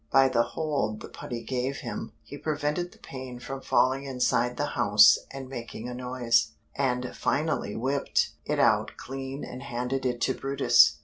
By the hold the putty gave him, he prevented the pane from falling inside the house and making a noise, and finally whipped it out clean and handed it to brutus.